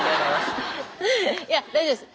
いや大丈夫です。